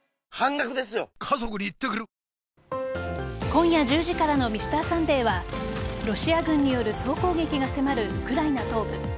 今夜１０時からの「Ｍｒ．サンデー」はロシア軍による総攻撃が迫るウクライナ東部。